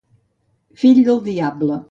Fill del diable.